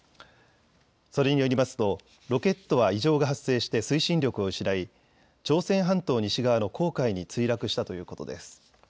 それによりますとロケットは異常が発生して推進力を失い朝鮮半島西側の黄海に墜落したということです。